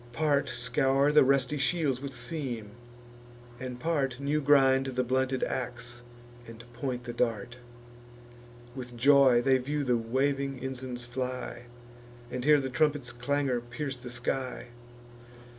Part scour the rusty shields with seam; and part New grind the blunted ax, and point the dart: With joy they view the waving ensigns fly, And hear the trumpet's clangour pierce the sky.